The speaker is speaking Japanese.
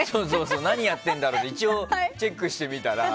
何やっているんだろうって一応、チェックしてみたら。